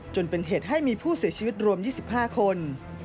จนเป็นเหตุให้มีผู้เสียชีวิตรวม๒๕คน